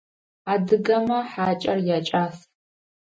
Адыгэмэ хьакIэр якIас.